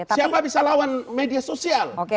siapa bisa lawan media sosial